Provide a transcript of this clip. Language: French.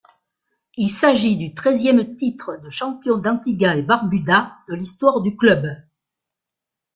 Il s’agit du treizième titre de champion d'Antigua-et-Barbuda de l'histoire du club.